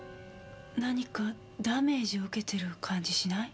何かダメージを受けてる感じしない？